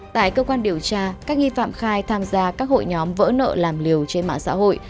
tại cơ quan điều tra các nghi phạm khai tham gia các hội nhóm vỡ nợ làm liều trên mạng xã hội